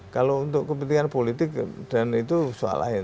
kalau untuk kepentingan politik dan itu soal lain